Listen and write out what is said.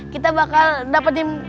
kita bakal dapetin